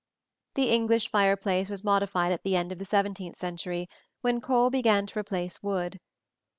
The English fireplace was modified at the end of the seventeenth century, when coal began to replace wood.